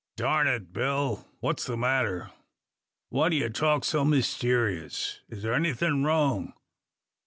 "Darn it, Bill; what's the matter? Why d'ye talk so mysteerous? Is thar anythin' wrong?